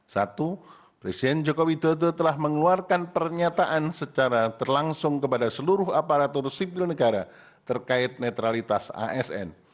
satu presiden joko widodo telah mengeluarkan pernyataan secara terlangsung kepada seluruh aparatur sipil negara terkait netralitas asn